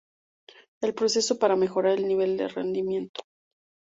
El proceso para mejorar el nivel de rendimiento.